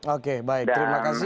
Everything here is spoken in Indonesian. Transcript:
oke baik terima kasih